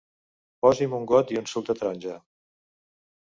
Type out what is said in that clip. Posi'm un got i un suc de taronja.